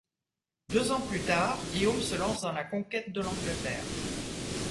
Deux ans plus tard, Guillaume se lance dans la conquête de l'Angleterre.